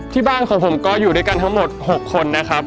ที่บ้านของผมก็อยู่ด้วยกันทั้งหมด๖คนนะครับ